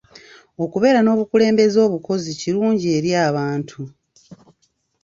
Okubeera n'obukulembeze obukozi kirungi eri abantu.